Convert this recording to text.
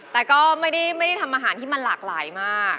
แต่ก็ไม่ได้ทำอาหารที่มันหลากหลายมาก